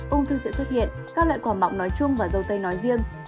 ung thư sẽ xuất hiện các loại quả mọc nói chung và dâu tây nói riêng